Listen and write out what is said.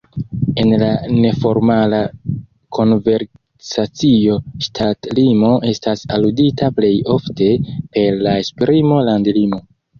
En neformala konversacio ŝtatlimo estas aludita plej ofte per la esprimo landlimo.